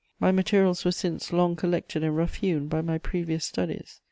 My materials were since long collected and rough hewn by my previous studies.